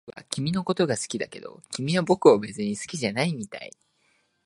僕は君のことが好きだけど、君は僕を別に好きじゃないみたい